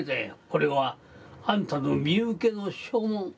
これはあんたの身請けの証文。